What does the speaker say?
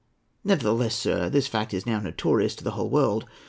Nevertheless, sir, this fact is now notorious to the whole world.